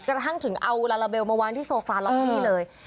กระทั่งถึงเอาลาลาเบลมาวางที่โซฟาล็อตเตอรี่เลย